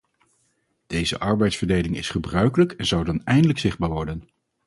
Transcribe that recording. Deze arbeidsverdeling is gebruikelijk en zou dan eindelijk zichtbaar worden.